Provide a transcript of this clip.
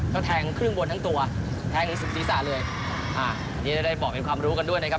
ก็แทงครึ่งบนทั้งตัวแทงถึงศีรษะเลยอ่าอันนี้จะได้บอกเป็นความรู้กันด้วยนะครับ